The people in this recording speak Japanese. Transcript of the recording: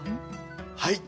はい。